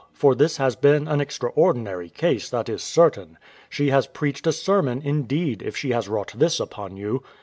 For this has been an extraordinary case, that is certain. She has preached a sermon, indeed, if she has wrought this upon you.